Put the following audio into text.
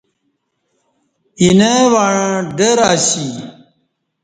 اینہ وعں ڈر اسی